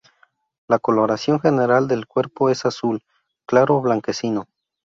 La coloración general del cuerpo es azul claro blanquecino.